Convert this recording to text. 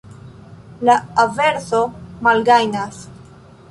La averso malgajnas.